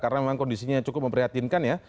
karena memang kondisinya cukup memprihatinkan ya